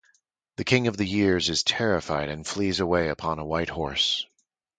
The King of the Years is terrified and flees away upon a white horse.